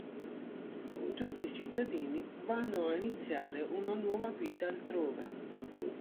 Tutti i cittadini vanno a iniziare una nuova vita altrove.